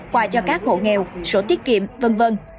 quà cho các hộ nghèo sổ tiết kiệm v v